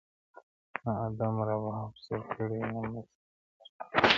نه آدم رباب سور کړی نه مستي په درخانۍ کي،